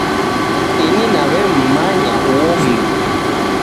Ini naw'emmanya uho mdu